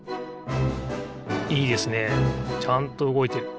いいですねちゃんとうごいてる。